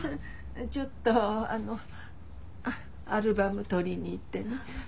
ちょっとあのアルバム取りに行ってね。